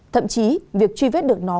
thậm chí việc truy vết được nó